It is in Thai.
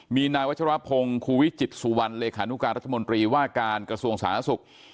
มีนายวัชรพงศ์ครูวิจิตสุวรรณเลขานุการรัฐมนตรีว่าการกระทรวงสาธารณสุข